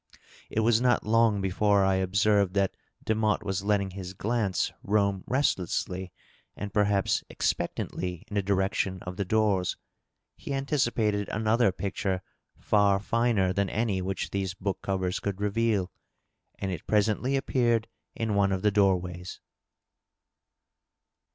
It was not long before I observed that Demotte was letting his glance roam restlessly and perhaps expectantly in the direction of the doors. He anticipated another picture far finer than any which these book covers could reveal. And it presently appeared in one of the door ways.